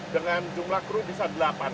dengan jumlah kru bisa delapan